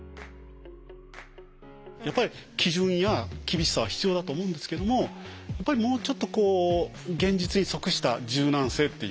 やっぱり基準や厳しさは必要だと思うんですけどもやっぱりもうちょっとこう現実に即した柔軟性っていうのが。